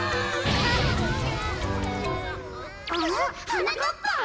はなかっぱん？